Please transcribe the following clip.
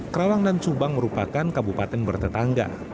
karawang dan subang merupakan kabupaten bertetangga